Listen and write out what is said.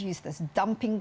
untuk banyak bengkak